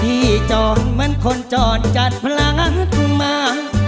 พี่จอนเหมือนคนจอนจัดพลาดมา